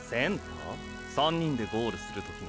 ３人でゴールする時の？